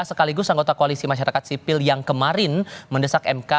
sekaligus anggota koalisi masyarakat sipil yang kemarin mendesak mk